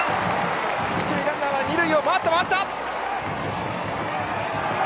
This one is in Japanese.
一塁ランナーは二塁を回った！